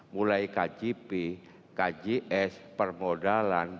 mulai kgp kgs permodalan